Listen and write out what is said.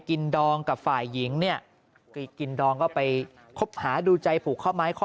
ดองกับฝ่ายหญิงเนี่ยกินดองก็ไปคบหาดูใจผูกข้อไม้ข้อ